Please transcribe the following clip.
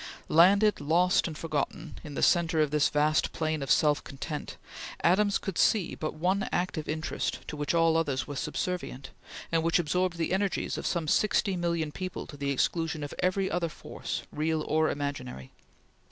Landed, lost, and forgotten, in the centre of this vast plain of self content, Adams could see but one active interest, to which all others were subservient, and which absorbed the energies of some sixty million people to the exclusion of every other force, real or imaginary.